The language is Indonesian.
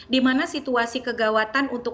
dimana situasi kegawatan untuk